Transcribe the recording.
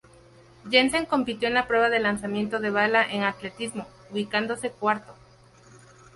Jensen compitió en la prueba de lanzamiento de bala en atletismo, ubicándose cuarto.